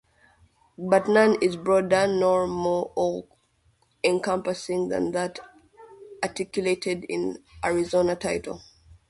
But none is broader nor more all-encompassing than that articulated in "Arizona Title".